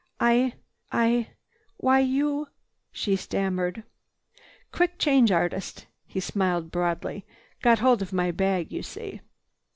"I—I—why you—" she stammered. "Quick change artist." He smiled broadly. "Got hold of my bag, you see."